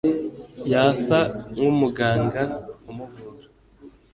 yasa nkumuganga umuvura